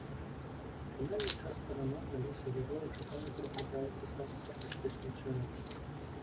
У фінальнай частцы рамана лёсы герояў чакана пераплятаюцца самым саркастычным чынам.